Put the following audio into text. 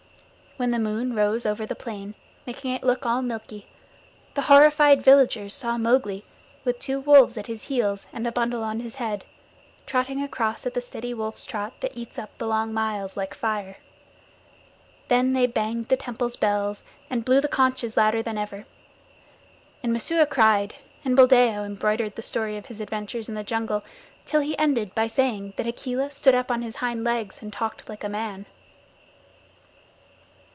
When the moon rose over the plain, making it look all milky, the horrified villagers saw Mowgli, with two wolves at his heels and a bundle on his head, trotting across at the steady wolf's trot that eats up the long miles like fire. Then they banged the temple bells and blew the conches louder than ever. And Messua cried, and Buldeo embroidered the story of his adventures in the jungle, till he ended by saying that Akela stood up on his hind legs and talked like a man.